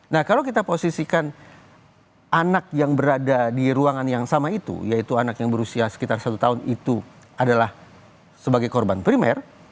nah kalau kita posisikan anak yang berada di ruangan yang sama itu yaitu anak yang berusia sekitar satu tahun itu adalah sebagai korban primer